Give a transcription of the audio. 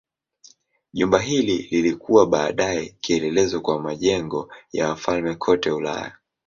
Jumba hili lilikuwa baadaye kielelezo kwa majengo ya wafalme kote Ulaya.